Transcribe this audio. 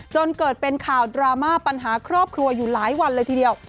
จนเกิดเป็นข่าวดราม่าปัญหาครอบครัวอยู่หลายวันเลยทีเดียว